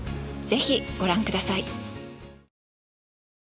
是非ご覧ください。